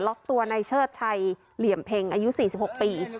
ล็อกตัวในเชิดชัยเหลี่ยมเพ็งอายุ๔๖ปี